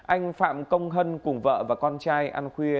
anh phạm công hân cùng vợ và con trai ăn khuya